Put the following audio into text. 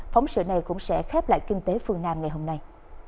phóng sự này cũng sẽ khép lại kinh tế phương nam ngày hôm nay